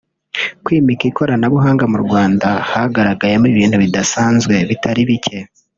Kwimika ikoranabuhanga mu Rwanda” hagaragayemo ibintu bidasanzwe bitari bike